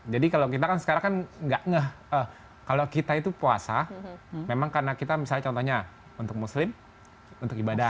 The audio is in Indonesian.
jadi kalau kita kan sekarang kan nggak ngeh kalau kita itu puasa memang karena kita misalnya contohnya untuk muslim untuk ibadah